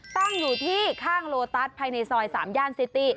ตั้งอยู่ที่ข้างโลตัสภายในซอย๓ย่านซิตี้